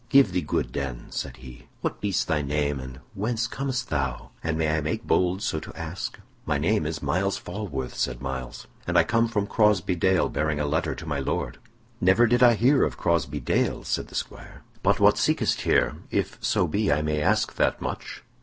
"Give thee good den," said he. "What be'st thy name and whence comest thou, an I may make bold so to ask?" "My name is Myles Falworth," said Myles; "and I come from Crosbey Dale bearing a letter to my Lord." "Never did I hear of Crosbey Dale," said the squire. "But what seekest here, if so be I may ask that much?"